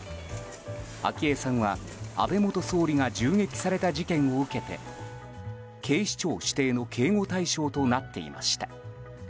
昭恵さんは、安倍元総理が銃撃された事件を受けて警視庁指定の警護対象となっていました。